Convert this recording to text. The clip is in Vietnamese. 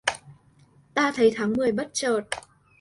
Ta thấy tháng mười bất chợt